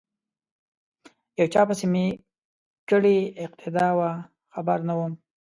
یو چا پسې می کړې اقتدا وه خبر نه وم